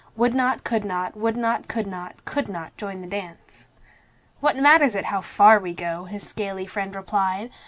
Would not, could not, would not, could not, could not join the dance. "What matters it how far we go?" his scaly friend replied.